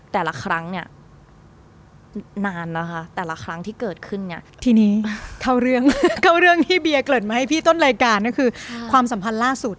แต่ละครั้งเนี่ยนานนะคะแต่ละครั้งที่เกิดขึ้นเนี่ยทีนี้เท่าเรื่องเท่าเรื่องที่เบียร์เกิดมาให้พี่ต้นรายการก็คือความสัมพันธ์ล่าสุด